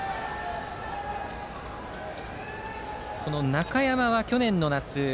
中山は去年夏